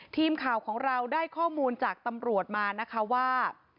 ทีมข่าวของเราได้ข้อมูลจากตำรวจมานะคะว่า